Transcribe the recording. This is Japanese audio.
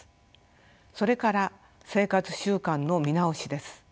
それから生活習慣の見直しです。